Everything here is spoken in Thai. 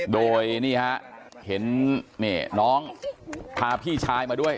โดยนี่ฮะเห็นนี่น้องพาพี่ชายมาด้วย